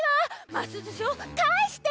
ますずしをかえして！